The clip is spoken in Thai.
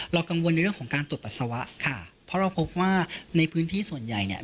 กังวลในเรื่องของการตรวจปัสสาวะค่ะเพราะเราพบว่าในพื้นที่ส่วนใหญ่เนี่ย